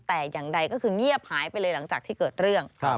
แต่อย่างใดก็คือเงียบหายไปเลยหลังจากที่เกิดเรื่อง